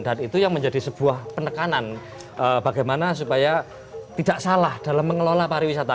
dan itu yang menjadi sebuah penekanan bagaimana supaya tidak salah dalam mengelola pariwisata